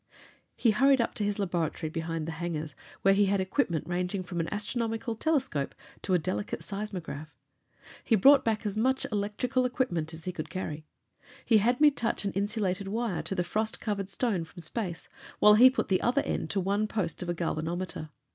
He hurried up to his laboratory behind the hangars, where he had equipment ranging from an astronomical telescope to a delicate seismograph. He brought back as much electrical equipment as he could carry. He had me touch an insulated wire to the frost covered stone from space, while he put the other end to one post of a galvanometer.